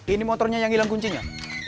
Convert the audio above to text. ini motornya yang hilang kuncinya